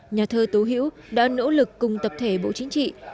nhà thơ tố hữu đã nỗ lực cùng tập thể bộ chính trị